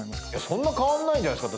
そんな変わんないんじゃないですか？